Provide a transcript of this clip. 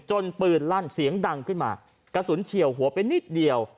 ปืนลั่นเสียงดังขึ้นมากระสุนเฉียวหัวไปนิดเดียว